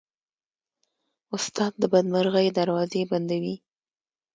استاد د بدمرغۍ دروازې بندوي.